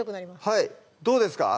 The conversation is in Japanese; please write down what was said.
はいどうですか？